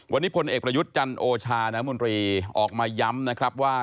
วันนี้ผลเอกประยุทธ์จันทร์โอชานมออกมาย้ำนะครับว่า